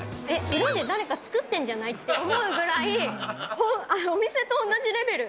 裏で誰か作ってんじゃない？って思うぐらい、お店と同じレベル。